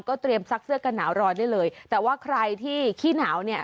เตรียมซักเสื้อกันหนาวรอได้เลยแต่ว่าใครที่ขี้หนาวเนี่ย